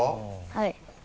はい。